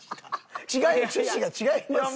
趣旨が違います！